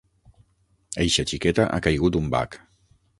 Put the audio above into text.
Eixa xiqueta ha caigut un bac.